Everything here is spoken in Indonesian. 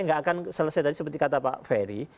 nggak akan selesai tadi seperti kata pak ferry